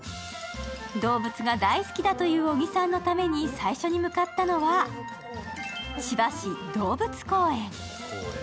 動物画大好きだという小木さんのために最初に向かったのは、千葉市動物公園。